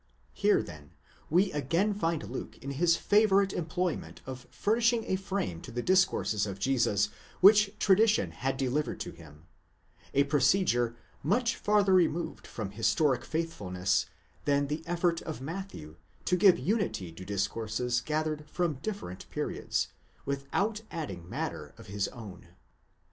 Here, then, we again find Luke in his favourite employment of furnishing a frame to the discourses of Jesus which tradition had delivered to him; a procedure much farther removed from historic faithfulness, than the effort of Matthew to give unity to discourses gathered from different periods, without adding matter of his own.